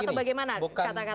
atau bagaimana kata katanya